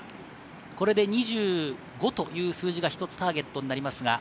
ここで２５という数字がターゲットになります。